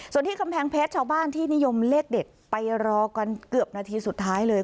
ส่วนที่กำแพงเพชรชาวบ้านที่นิยมเลขเด็ดไปรอกันเกือบนาทีสุดท้ายเลย